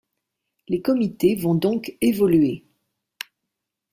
Les comités vont donc évoluer.